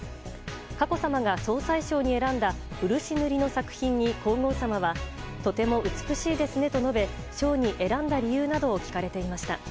佳子さまが総裁賞に選んだ漆塗りの作品に皇后さまはとても美しいですねと述べ賞に選んだ理由などを聞かれていました。